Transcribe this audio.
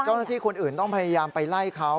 เจ้าหน้าที่คนอื่นต้องพยายามไปไล่เขา